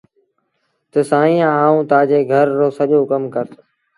تا سائيٚݩ آئوݩ تآجي گھر رو سڄو ڪم ڪرس